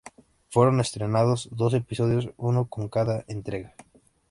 Fueron estrenados dos episodios, uno con cada entrega.